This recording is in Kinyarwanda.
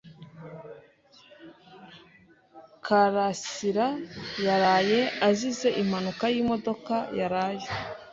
Karasirayaraye azize impanuka yimodoka yaraye.